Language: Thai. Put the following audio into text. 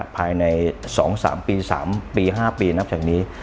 ภายใน๒๓ปี๓ปี๕ปีนับจากนี้